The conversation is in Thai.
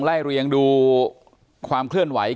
อยากให้สังคมรับรู้ด้วย